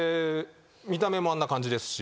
見た目もあんな感じですし。